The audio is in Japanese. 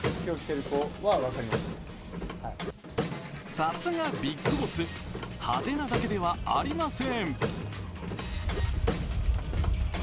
さすがビッグボス、派手なだけではありません。